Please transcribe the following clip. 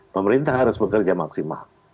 pemerintah harus bekerja maksimal